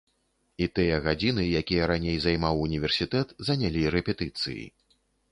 І тыя гадзіны, якія раней займаў універсітэт, занялі рэпетыцыі.